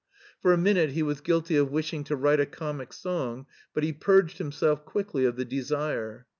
For a minute he was guilty of wishing to write a comic song, but he purged himself quickly of the desire.